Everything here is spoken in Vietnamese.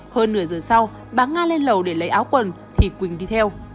hơn nửa giờ sau bà nga lên lẩu để lấy áo quần thì quỳnh đi theo